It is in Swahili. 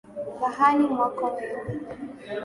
rahani mwako wewe